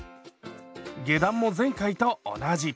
下段も前回と同じ。